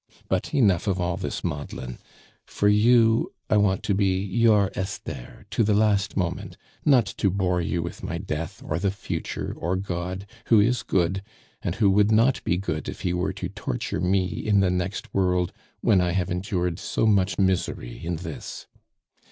"But enough of all this maudlin; for you I want to be your Esther to the last moment, not to bore you with my death, or the future, or God, who is good, and who would not be good if He were to torture me in the next world when I have endured so much misery in this.